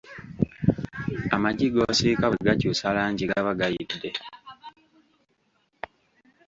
Amagi g'osiika bwe gakyusa langi gaba gayidde.